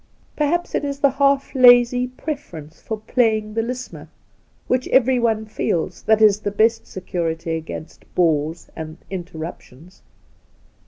Perhaps it is the half lazy preference for playing the listener which everyone feels that is the best security against bores and interruptions.